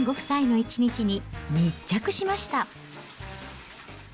湊さんご夫妻の１日に密着しました。